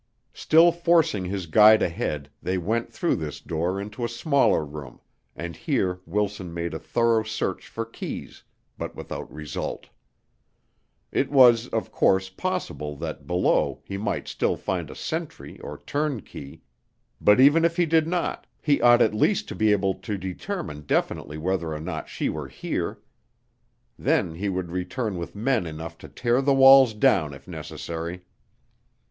Still forcing his guide ahead, they went through this door into a smaller room and here Wilson made a thorough search for keys, but without result. It was, of course, possible that below he might still find a sentry or turnkey; but even if he did not, he ought at least to be able to determine definitely whether or not she were here. Then he would return with men enough to tear the walls down if necessary.